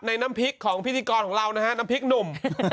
น้ำพริกของพิธีกรของเรานะฮะน้ำพริกหนุ่ม